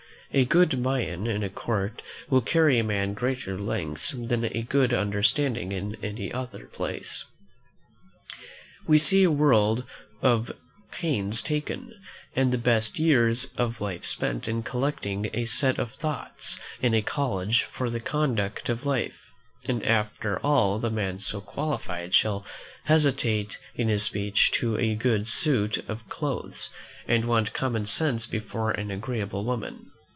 A good mien in a court will carry a man greater lengths than a good understanding in any other place. We see a world of pains taken, and the best years of life spent in collecting a set of thoughts in a college for the conduct of life, and, after all the man so qualified shall hesitate in his speech to a good suit of clothes, and want common sense before an agreeable woman.